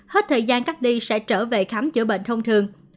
hết thời gian cắt đi sẽ trở về khám chữa bệnh thông thường